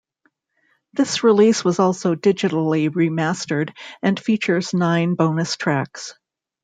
This release was also digitally remastered, and features nine bonus tracks.